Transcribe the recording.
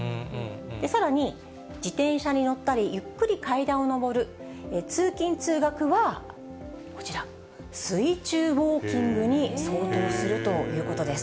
さらに、自転車に乗ったり、ゆっくり階段を上る、通勤・通学はこちら、水中ウォーキングに相当するということです。